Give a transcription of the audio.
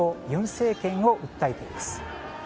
・尹政権を訴えています。